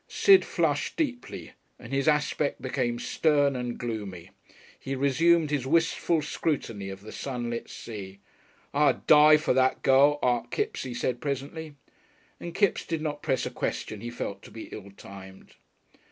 Sid flushed deeply, and his aspect became stern and gloomy. He resumed his wistful scrutiny of the sunlit sea. "I'd die for that girl, Art Kipps," he said presently, and Kipps did not press a question he felt to be ill timed.